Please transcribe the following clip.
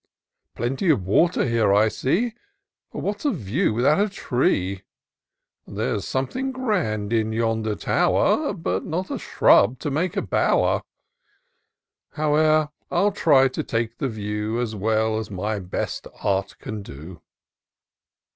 Plenty of water here I see, But what's a view without a tree ? There's something grand in yonder tower, But not a shrub to make a bower ; Howe'er, I'll try to take the view, As well as my best art can do."